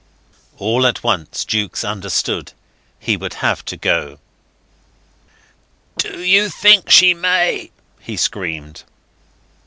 All at once Jukes understood he would have to go. "Do you think she may?" he screamed.